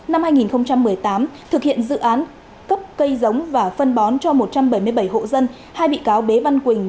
năm hai nghìn một mươi tám thực hiện dự án cấp cây giống và phân bón cho một trăm bảy mươi bảy hộ dân hai bị cáo bế văn quỳnh